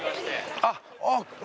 あっあっ！